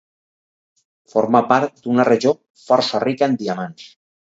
Forma part d'una regió força rica en diamants.